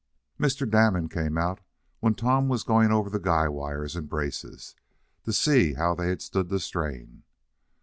Mr. Damon came out when Tom was going over the guy wires and braces, to see how they had stood the strain.